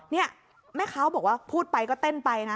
นี่แม่ค้าบอกว่าพูดไปก็เต้นไปนะ